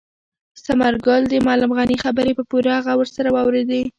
ثمرګل د معلم غني خبرې په پوره غور سره واورېدې.